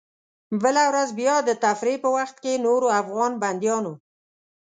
بله ورځ بیا د تفریح په وخت کې نورو افغان بندیانو.